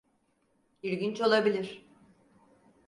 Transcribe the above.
İlginç olabilir.